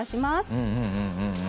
うんうんうんうん。